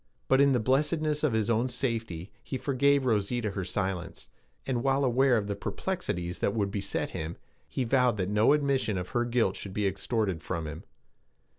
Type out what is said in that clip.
But in the blessedness of his own safety he forgave Rosita her silence, and, while aware of the perplexities that would beset him, he vowed that no admission of her guilt should be extorted from him.